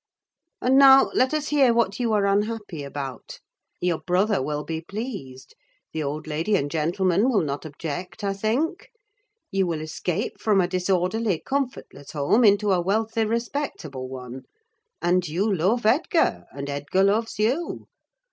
And now, let us hear what you are unhappy about. Your brother will be pleased; the old lady and gentleman will not object, I think; you will escape from a disorderly, comfortless home into a wealthy, respectable one; and you love Edgar, and Edgar loves you.